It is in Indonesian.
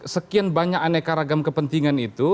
sekian banyak aneka ragam kepentingan itu